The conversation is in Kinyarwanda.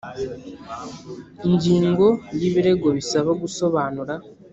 Ingingo ya Ibirego bisaba gusobanura